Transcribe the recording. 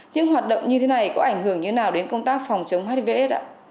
những hoạt động như thế này có ảnh hưởng như thế nào đến công tác phòng chống hiv s